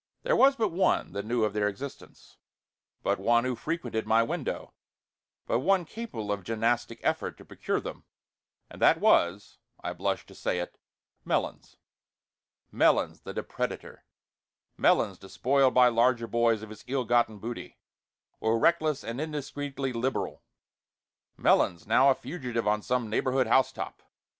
There was but one that knew of their existence, but one who frequented my window, but one capable of gymnastic effort to procure them, and that was I blush to say it Melons. Melons the depredator Melons, despoiled by larger boys of his ill gotten booty, or reckless and indiscreetly liberal; Melons now a fugitive on some neighborhood housetop.